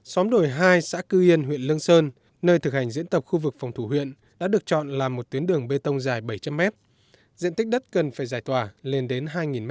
xóm đổi hai xã cư yên huyện lương sơn nơi thực hành diễn tập khu vực phòng thủ huyện đã được chọn là một tuyến đường bê tông dài bảy trăm linh mét diện tích đất cần phải giải tỏa lên đến hai m hai